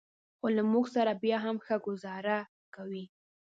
خو له موږ سره بیا هم ښه ګوزاره کوي.